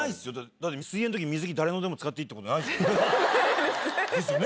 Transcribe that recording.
だって、水泳のとき、水着誰のでも使っていいってことじゃないでしょ。ですよね？